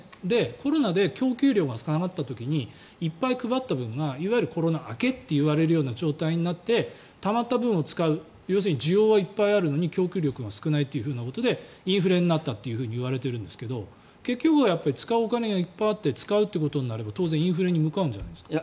コロナで供給量が下がった時にいっぱい配った分がいわゆるコロナ明けといわれるような状態になってたまった分を使う要するに需要はいっぱいあるのに供給力が少ないということでインフレになったといわれているんですが結局は使うお金がいっぱいあって使うことになれば当然、インフレに向かうんじゃないですか？